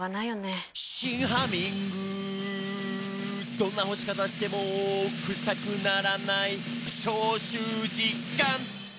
「どんな干し方してもクサくならない」「消臭実感！」